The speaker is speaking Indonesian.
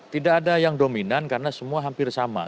tidak ada yang dominan karena semua hampir sama